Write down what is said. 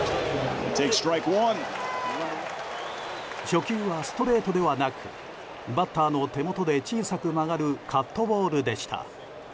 初球はストレートではなくバッターの手元で小さく曲がるカットボールでした。